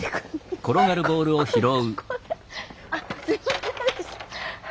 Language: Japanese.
あすいません。